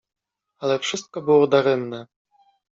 Ale wszystko było daremne.